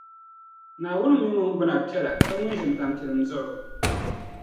Naawuni m-mi ŋun gbina piɛla pa ŋun ʒini tampiligim zuɣu.